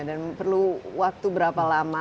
dan perlu waktu berapa lama